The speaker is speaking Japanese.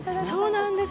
「そうなんです」